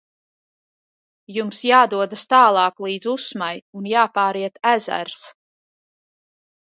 Jums jādodas tālāk līdz Usmai un jāpāriet ezers.